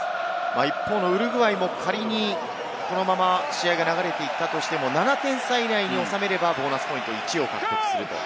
一方のウルグアイも、仮にこのまま試合が流れでいったとしても７点差以内に収めれば、ボーナスポイント１を獲得する。